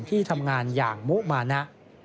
ที่ทำงานอย่างมุมานะ